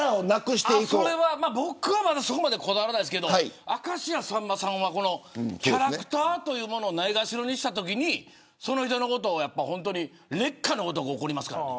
僕は、そこまでこだわらないんですけど明石家さんまさんはキャラクターというものをないがしろにしたときにその人のことを烈火のごとく怒りますから。